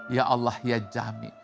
ya allah ya jami